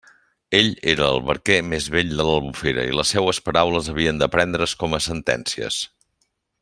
Ell era el barquer més vell de l'Albufera, i les seues paraules havien de prendre's com a sentències.